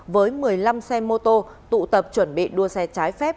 với một mươi năm xe mô tô tụ tập chuẩn bị đua xe trái phép